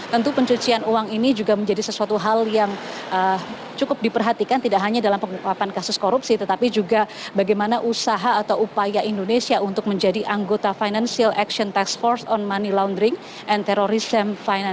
tentu pencucian uang ini juga menjadi sesuatu hal yang cukup diperhatikan tidak hanya dalam pengungkapan kasus korupsi tetapi juga bagaimana usaha atau upaya indonesia untuk menjadi anggota financial action tax force on money laundering and terrorism